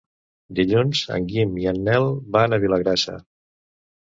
Dilluns en Guim i en Nel van a Vilagrassa.